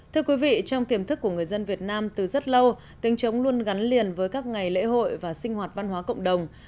thưa quý vị trong tiềm thức của người dân việt nam từ rất lâu tiếng trống luôn gắn liền với các ngày lễ hội và sinh hoạt văn hóa cộng đồng